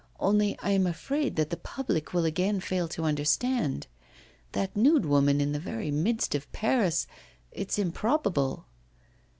Only I am afraid that the public will again fail to understand. That nude woman in the very midst of Paris it's improbable.